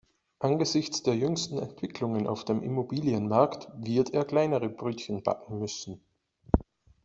Angesichts der jüngsten Entwicklungen auf dem Immobilienmarkt wird er kleinere Brötchen backen müssen.